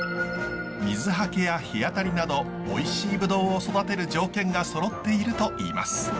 水はけや日当たりなどおいしいブドウを育てる条件がそろっているといいます。